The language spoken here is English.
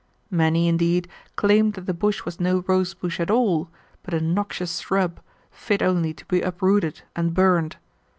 Many, indeed, claimed that the bush was no rosebush at all, but a noxious shrub, fit only to be uprooted and burned.